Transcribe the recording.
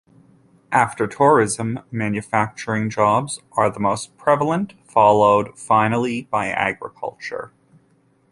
After tourism, manufacturing jobs are the most prevalent, followed finally by agriculture.